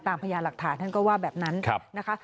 พยายามหลักฐานท่านก็ว่าแบบนั้นนะคะ